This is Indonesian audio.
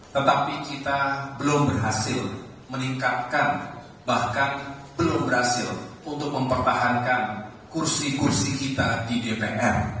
tetapi kita belum berhasil meningkatkan bahkan belum berhasil untuk mempertahankan kursi kursi kita di dpr